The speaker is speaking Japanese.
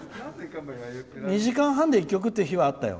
２時間半で１曲っていう日はあったよ。